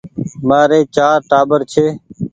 مآري چآر ٽآٻر ڇي